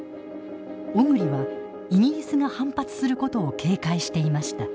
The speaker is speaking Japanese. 小栗はイギリスが反発することを警戒していました。